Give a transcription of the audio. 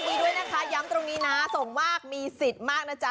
ดีด้วยนะคะย้ำตรงนี้นะส่งมากมีสิทธิ์มากนะจ๊